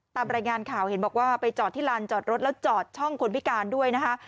ตามรายงานข่าวเห็นบอกว่าไปจอดที่ลานจอดรถแล้วจอดช่องคนพิการด้วยนะคะ